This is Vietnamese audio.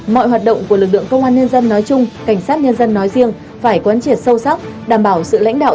mọi hoạt động của lực lượng công an nhân dân nói chung cảnh sát nhân dân nói riêng phải quan triệt sâu sắc đảm bảo sự lãnh đạo